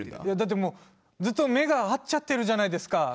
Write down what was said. いやだってもうずっと目が合っちゃってるじゃないですか。